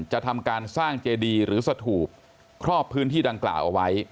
ทำการสร้างเจดีหรือสถูปครอบพื้นที่ดังกล่าวเอาไว้